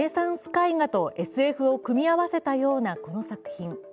絵画とＳＦを組み合わせたようなこの作品。